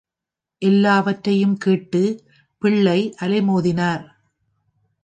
எல்லாவற்றையும் கேட்டு பிள்ளை அலைமோதினார்.